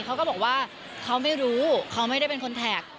เขาก็บอกว่าเขาไม่รู้เขาไม่ได้เป็นคนแท็ก